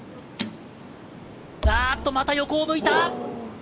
また横を向いた。